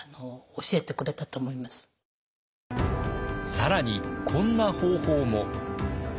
更にこんな方法も。